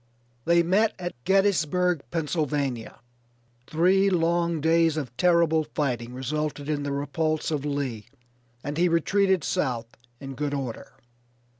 They met at Gettysburgh, Pennsylvania. Three long days of terrible fighting resulted in the repulse of Lee, and he retreated south in good order.